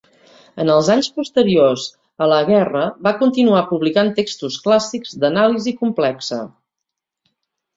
En els anys posteriors a la guerra va continuar publicant textos clàssics d'Anàlisi complexa.